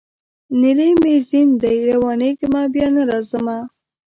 نیلی مي ځین دی روانېږمه بیا نه راځمه